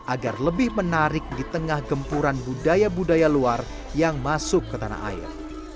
agar lebih menarik di tengah gempuran budaya budaya luar yang masuk ke tanah air